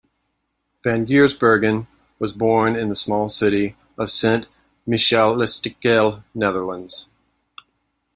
Van Giersbergen was born in the small city of Sint Michielsgestel, Netherlands.